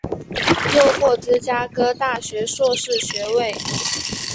又获芝加哥大学硕士学位。